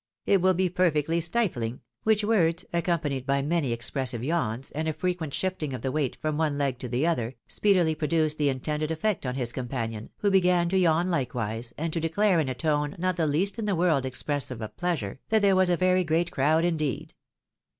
It will be perfectly stifling," which words, accompanied by many expressive yawns, and a fre quent shifting of the weight from one leg to the other, speedily produced the intended efiect on his companion, who began to yawn likewise, and to declare in a tone not the least in the world expressive of pleasure, that there was a very great crowd indeed.